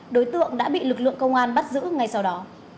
đối tượng đã bị lực lượng công an bắt giữ ngay sau đó